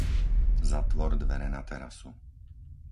Zatvor dvere na terasu.